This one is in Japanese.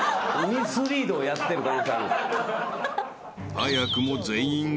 ［早くも全員が］